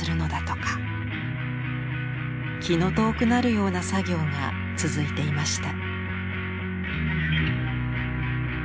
気の遠くなるような作業が続いていました。